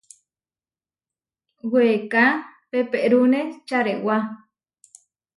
Weeká peperúne čarewá.